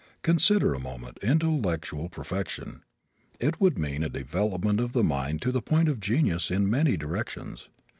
Consider, a moment, intellectual perfection. It would mean a development of the mind to the point of genius in many directions.